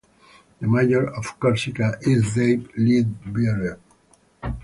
The mayor of Corsica is Dave Leadbetter.